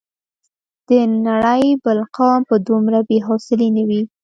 د نړۍ بل قوم به دومره بې حوصلې نه وي.